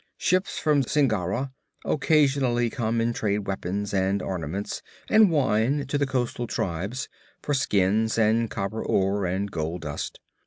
Ships from Zingara occasionally come and trade weapons and ornaments and wine to the coastal tribes for skins and copper ore and gold dust.